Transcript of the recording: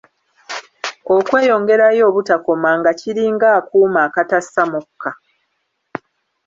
Okweyongerayo obutakoma nga kiringa akuuma akatassa mukka.